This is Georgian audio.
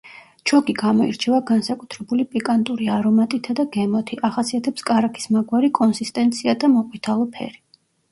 ჩოგი გამოირჩევა განსაკუთრებული პიკანტური არომატითა და გემოთი, ახასიათებს კარაქის მაგვარი კონსისტენცია და მოყვითალო ფერი.